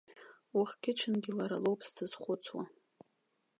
Уахгьы-ҽынгьы лара лоуп сзызхәыцуа.